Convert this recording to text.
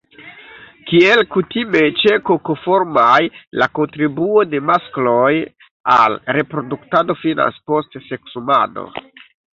Kiel kutime ĉe Kokoformaj, la kontribuo de maskloj al reproduktado finas post seksumado.